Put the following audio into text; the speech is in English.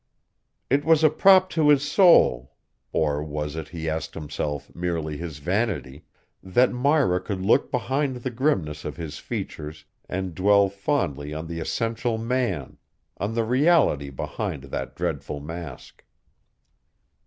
It was a prop to his soul or was it, he asked himself, merely his vanity? that Myra could look behind the grimness of his features and dwell fondly on the essential man, on the reality behind that dreadful mask.